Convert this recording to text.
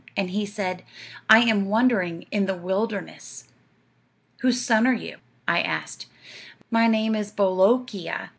and he said, 'I am wandering in the wilderness.' 'Whose son are you?' I asked. 'My name is Bolookee'a.